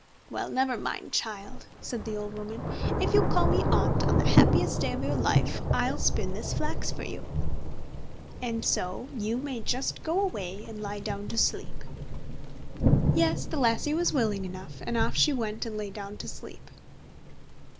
"Well, never mind, child", said the old woman. "If you'll call me Aunt on the happiest day of your life, I'll spin this flax for you, and so you may just go away and lie down to sleep." Yes, the lassie was willing enough, and off she went and lay down to sleep.